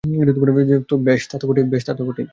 বেশ, তা তো বটেই।